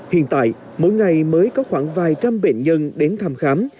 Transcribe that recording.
hiện tại mỗi ngày mới có khoảng vài trăm bệnh nhân đến thăm khám